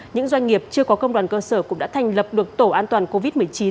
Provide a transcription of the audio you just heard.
những doanh nghiệp chưa có công đoàn cơ sở cũng đã thành lập được tổ an toàn covid một mươi chín